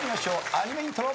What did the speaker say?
アニメイントロ。